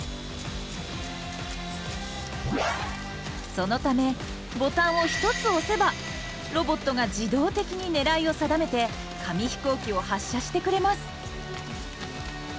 そのためボタンを１つ押せばロボットが自動的に狙いを定めて紙飛行機を発射してくれます。